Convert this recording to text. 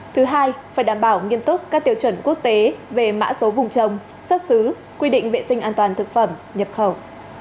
thứ hai phải đảm bảo nghiêm túc các tiêu chuẩn quốc tế về mã số vùng trồng xuất xứ quy định vệ sinh an toàn thực phẩm nhập khẩu